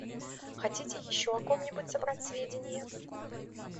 Хотите еще о ком-нибудь собрать сведения?